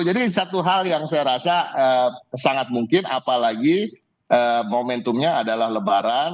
jadi satu hal yang saya rasa sangat mungkin apalagi momentumnya adalah lebaran